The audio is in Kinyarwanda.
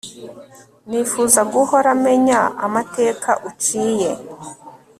nifuza guhora menya amateka uciye